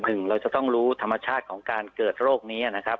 หนึ่งเราจะต้องรู้ธรรมชาติของการเกิดโรคนี้นะครับ